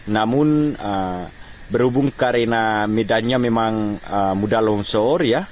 namun berhubung karena medannya memang mudah longsor